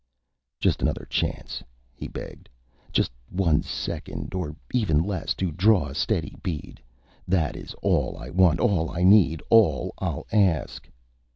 Just another chance, he begged. Just one second, or even less, to draw a steady bead. That is all I want, all I need, all I'll ask.